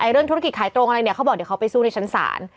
เรื่องธุรกิจขายตรงอะไรเนี่ยเขาบอกเดี๋ยวเขาไปสู้ในชั้นศาล